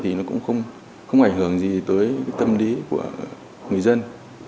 thì nó cũng không ảnh hưởng gì tới tâm lý của người dân